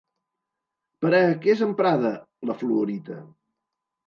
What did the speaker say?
Per a què és emprada la fluorita?